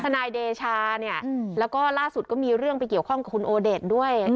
นายเดชาเนี่ยแล้วก็ล่าสุดก็มีเรื่องไปเกี่ยวข้องกับคุณโอเดชด้วย